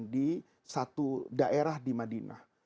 di satu daerah di madinah